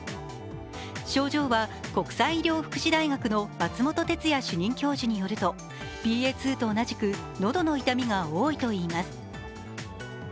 症状は、国際医療福祉大学の松本哲哉主任教授によるとＢＡ．２と同じく喉の痛みが多いといいます。